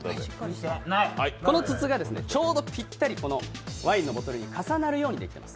この筒がちょうどぴったりワインのボトルに重なるように出来ています。